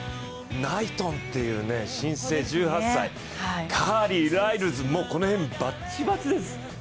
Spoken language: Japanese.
ナイトンという新星１８歳、カーリー、ライルズ、この辺、バチバチです。